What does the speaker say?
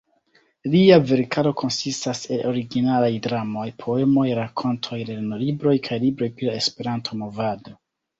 Lia verkaro konsistas el originalaj dramoj, poemoj, rakontoj, lernolibroj kaj libroj pri la Esperanto-movado.